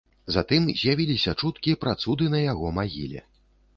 Затым з'явіліся чуткі пра цуды на яго магіле.